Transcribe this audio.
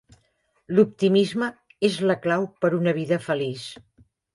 L'optimisme és la clau per a una vida feliç.